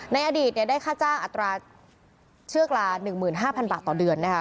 ในอดีตได้ค่าจ้างอัตราเชือกละ๑๕๐๐บาทต่อเดือนนะคะ